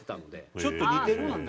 ちょっと似てるもんね。